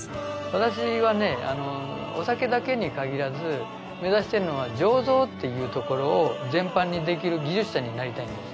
私はねお酒だけに限らず目指しているのは醸造っていうところを全般にできる技術者になりたいんです。